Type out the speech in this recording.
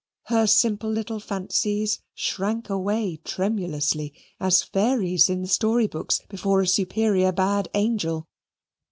Her simple little fancies shrank away tremulously, as fairies in the story books, before a superior bad angel.